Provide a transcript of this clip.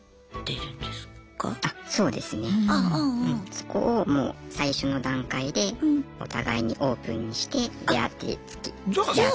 そこをもう最初の段階でお互いにオープンにして出会ってつきあっているので。